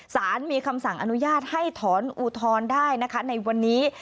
สารมีคำสั่งอนุญาตให้ถอนอุทธรณ์ได้นะคะในวันนี้